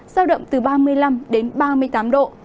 sao đậm từ ba mươi năm đến ba mươi tám độ